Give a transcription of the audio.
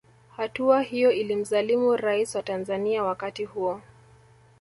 Hatua hiyo ilimlazimu rais wa Tanzanzia wakati huo